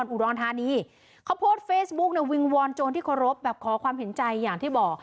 อุดรธานีเขาโพสต์เฟซบุ๊กในวิงวอนโจรที่เคารพแบบขอความเห็นใจอย่างที่บอก